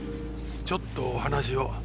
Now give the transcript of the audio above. ちょっとお話を。